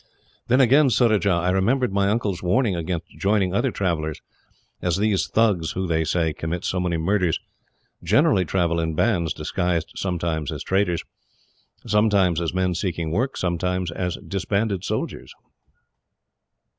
"Then again, Surajah, I remembered my uncle's warning against joining other travellers, as these Thugs, who, they say, commit so many murders, generally travel in bands, disguised sometimes as traders, sometimes as men seeking work, sometimes as disbanded soldiers.